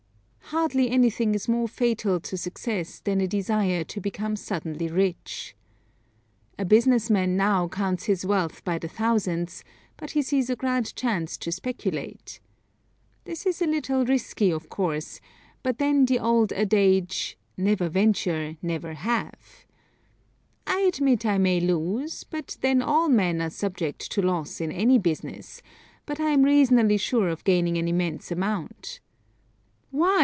Hardly anything is more fatal to success than a desire to become suddenly rich. A business man now counts his wealth by the thousands, but he sees a grand chance to speculate. This is a little risky, of course, but then the old adage: "Never venture, never have." I admit I may lose, but then all men are subject to loss in any business, but I am reasonably sure of gaining an immense amount. Why!